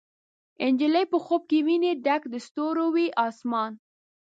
نجلۍ په خوب کې ویني ډک د ستورو، وي اسمان